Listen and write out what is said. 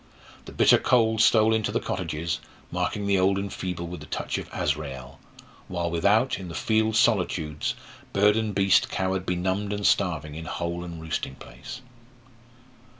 The bitter cold stole into the cottages, marking the old and feeble with the touch of Azrael; while without, in the field solitudes, bird and beast cowered benumbed and starving in hole and roosting place.